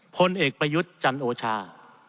พลเอกประยุทธ์จันโอชา